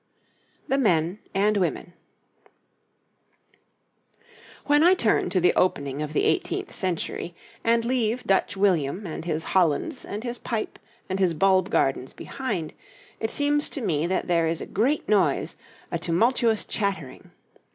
THE MEN AND WOMEN When I turn to the opening of the eighteenth century, and leave Dutch William and his Hollands and his pipe and his bulb gardens behind, it seems to me that there is a great noise, a tumultuous chattering.